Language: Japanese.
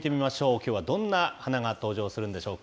きょうはどんな花が登場するんでしょうか。